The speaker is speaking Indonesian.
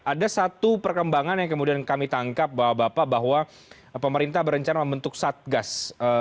ada satu perkembangan yang kemudian kami tangkap bahwa bapak bahwa pemerintah berencana membentuk satgas